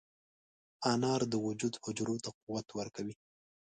انار د وجود حجرو ته قوت ورکوي.